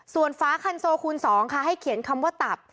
ส่วนฟ้าคันโซคูณ๒ค่ะให้เขียนคำว่าตับ